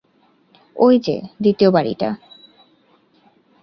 ওই যে দ্বিতীয় বাড়িটা।